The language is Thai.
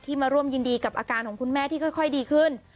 มาร่วมยินดีกับอาการของคุณแม่ที่ค่อยดีขึ้น